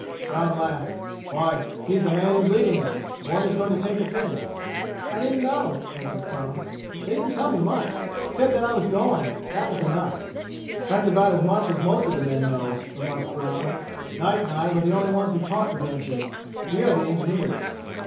Brown laughed. "Why, he's the man who's leading us. The one who's going to take us in." "I didn't know," answered Tom. "They didn't tell me much except that I was going. That was enough." "That's about as much as most of the men know," remarked Brown. "Knight and I were the only ones who talked with Andrews. We are the engineers."